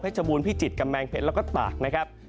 บูรพิจิตรกำแพงเพชรแล้วก็ตากนะครับ